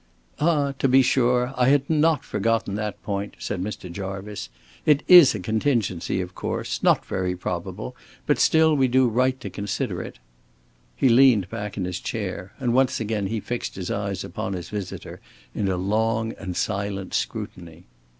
"Ah, to be sure! I had not forgotten that point," said Mr. Jarvice. "It is a contingency, of course, not very probable, but still we do right to consider it." He leaned back in his chair, and once again he fixed his eyes upon his visitor in a long and silent scrutiny.